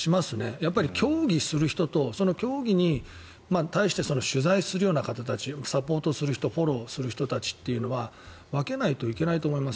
やっぱり競技する人と競技に対して取材するような方たちサポートする人フォローする人たちというのは分けないといけないと思います。